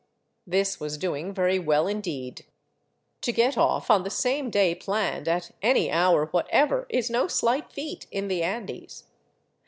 This was doing very well indeed. To get off on the same day planned, at any hour whatever, is no slight feat in the Andes.